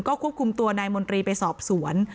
ควบคุมตัวนายมนตรีไปสอบสวน